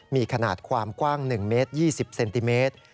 มีขนาดความกว้าง๑เมตร๒๐เซนติเมตร